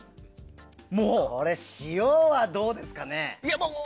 これ、塩はどうですかね。